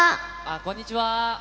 こんにちは。